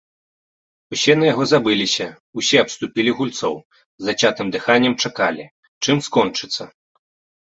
Усе на яго забыліся, усе абступілі гульцоў, з зацятым дыханнем чакалі, чым скончыцца.